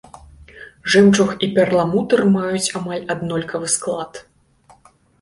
Жэмчуг і перламутр маюць амаль аднолькавы склад.